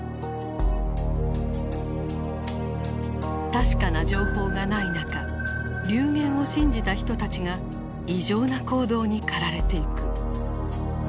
確かな情報がない中流言を信じた人たちが異常な行動に駆られていく。